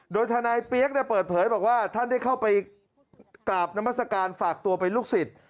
โดยทนายเปี๊ยกเปิดเผยบอกว่าท่านได้เข้าไปกราบนามัศกาลฝากตัวเป็นลูกศิษย์